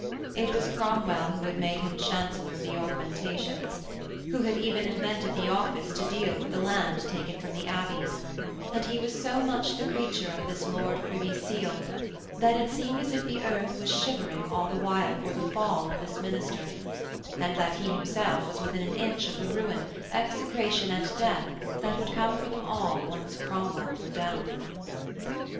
It was Cromwell who had made him Chancellor of the Augmentations who had even invented the office to deal with the land taken from the Abbeys and he was so much the creature of this Lord Privy Seal that it seemed as if the earth was shivering all the while for the fall of this minister, and that he himself was within an inch of the ruin, execration, and death that would come for them all once Cromwell were down.